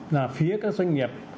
là phía các doanh nghiệp